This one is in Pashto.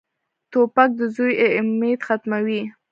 توپک د زوی امید ختموي.